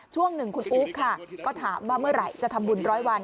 ช่วงหนึ่งคุณอุ๊บค่ะก็ถามว่าเมื่อไหร่จะทำบุญร้อยวัน